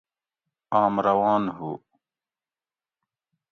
آم روان ہُو